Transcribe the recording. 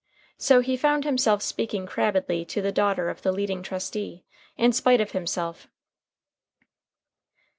So he found himself speaking crabbedly to the daughter of the leading trustee, in spite of himself.